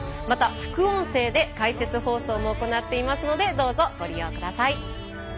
また、副音声で解説放送も行っていますのでどうぞ、ご利用ください。